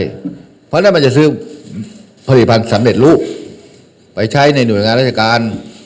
เพราะฉะนั้นมันจะซื้อผลิตภัณฑ์สำเร็จรูปไปใช้ในหน่วยงานราชการ